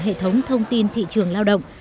hệ thống thông tin thị trường lao động